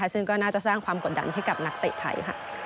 ซึ่งก็น่าจะสร้างความกดดันให้กับนักเตะไทย